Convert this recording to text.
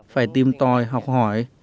phải tìm tòi học hỏi